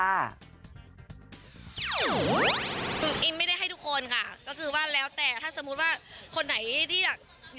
ต้องเช็คกระถาบตรงเลย